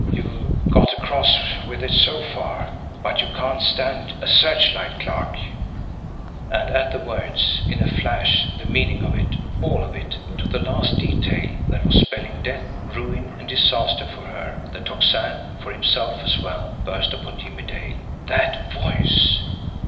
You've got across with it so far but you can't stand a searchlight, Clarke!" And at the words, in a flash, the meaning of it, all of it, to the last detail that was spelling death, ruin, and disaster for her, the Tocsin, for himself as well, burst upon Jimmie Dale. That VOICE!